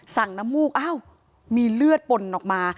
น้ำมูกอ้าวมีเลือดปนออกมา